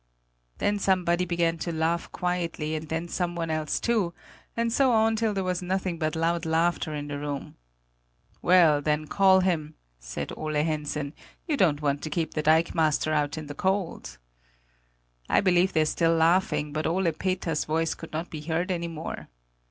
Then somebody began to laugh quietly, and then someone else too, and so on till there was nothing but loud laughter in the room. 'Well, then call him,' said Ole Hensen; 'you don't want to keep the dikemaster out in the cold!' I believe they're still laughing; but Ole Peters's voice could not be heard any more!"